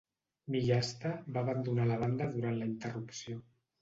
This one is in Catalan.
Miyashita va abandonar la banda durant la interrupció.